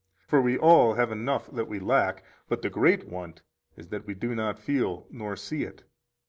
For we all have enough that we lack, but the great want is that we do not feel nor see it.